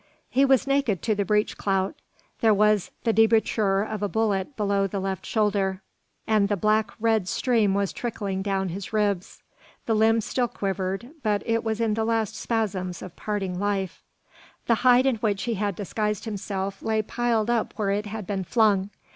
He was naked to the breech clout. There was the debouchure of a bullet below the left shoulder, and the black red stream was trickling down his ribs. The limbs still quivered, but it was in the last spasms of parting life. The hide in which he had disguised himself lay piled up where it had been flung.